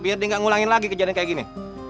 biar dia nggak ngulangin lagi kejadian kayak gini